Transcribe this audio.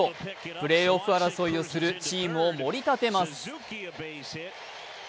プレーオフ争いをするチームをもり立てます。